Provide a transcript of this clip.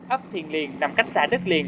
ấp thiền liền nằm cách xã đất liền